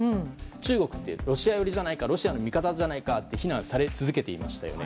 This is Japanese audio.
中国ってロシア寄りじゃないかロシアの味方じゃないかと非難され続けていましたよね。